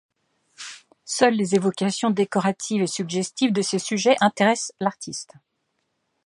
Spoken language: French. Seules les évocations décoratives et suggestives de ces sujets intéressent l'artiste.